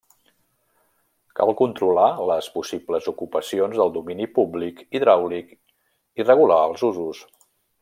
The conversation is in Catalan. Cal controlar les possibles ocupacions del domini públic hidràulic i regular els usos.